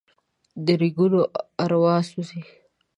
د ریګونو اروا سوزي